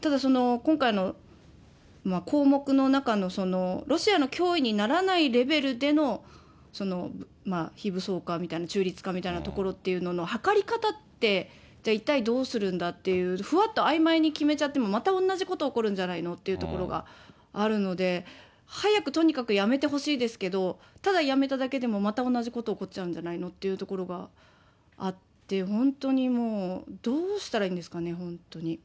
ただ今回の項目の中のロシアの脅威にならないレベルでの、非武装化みたいな、中立化みたいなところでのはかり方って、じゃあ一体どうするんだっていう、ふわっとあいまいに決めちゃっても、また同じこと起こるんじゃないのってところがあるので、早くとにかくやめてほしいですけど、ただやめただけでも、また同じこと起こっちゃうんじゃないのっていうのがあって、本当にもう、どうしたらいいんですかね、本当に。